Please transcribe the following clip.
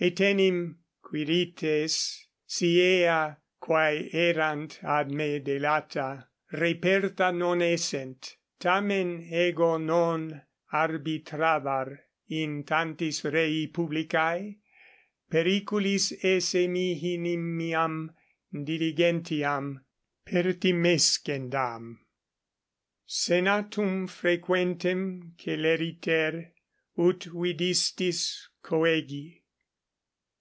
Etenim, Quirites, si ea, quae erant ad me delata, reperta non essent, tamen ego non arbitrabar in tantis rei publicae periculis esse mihi nimiam diligentiam pertimescendam. Senatum frequentem celeriter, ut 8 vidistis, coëgi.